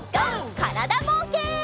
からだぼうけん。